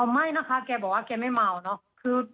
ไม่นะคะแกบอกว่าแกไม่เมาเนอะ